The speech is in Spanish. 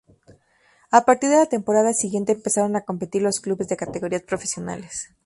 A partir de la temporada siguiente empezaron a competir los clubes de categorías profesionales.